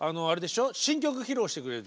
新曲披露してくれるんでしょ。